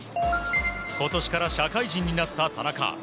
今年から社会人になった田中。